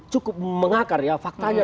cukup mengakar ya faktanya